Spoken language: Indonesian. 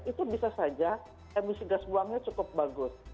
itu bisa saja emisi gas buangnya cukup bagus